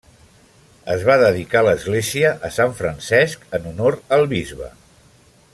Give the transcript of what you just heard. Es va dedicar l'església a sant Francesc en honor al bisbe.